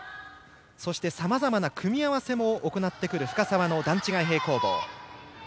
そして、さまざまな組み合わせも行ってくる深沢の段違い平行棒。